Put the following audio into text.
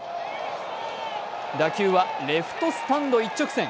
打球はレフトスタンド一直線。